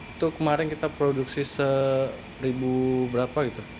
itu kemarin kita produksi seribu berapa gitu